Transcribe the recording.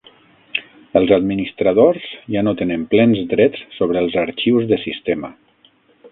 Els administradors ja no tenen plens drets sobre els arxius de sistema.